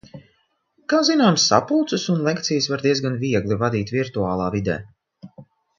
Kā zināms, sapulces un lekcijas var diezgan viegli vadīt virtuālā vidē.